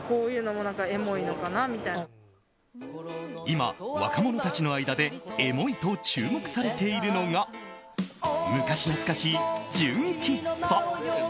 今、若者たちの間でエモいと注目されているのが昔懐かしい純喫茶。